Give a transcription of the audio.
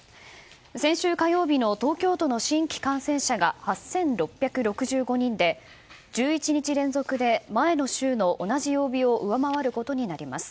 先週火曜日の東京都の新規感染者が８６６５人で１１日連続で前の週の同じ曜日を上回ることになります。